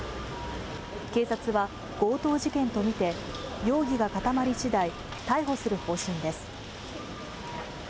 警察は強盗事件と見て、容疑が固まり次第逮捕する方針です。